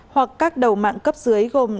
hoặc các đầu mạng cấp dưới gồm